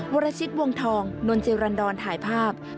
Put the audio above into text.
วรชิกวงทองนวลเจลรันดอนถ่ายภาพ